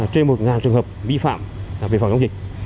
trên một trường hợp vi phạm về phòng chống dịch